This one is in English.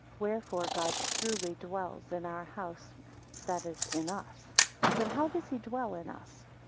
Wherefore God truly dwells in our house, that is, in us. 22 But how does he dwell in us?